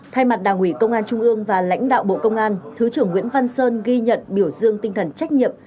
thay mặt đảng ủy công an trung ương và lãnh đạo bộ công an thứ trưởng nguyễn văn sơn ghi nhận biểu dương tinh thần trách nhiệm